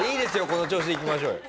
この調子でいきましょうよ。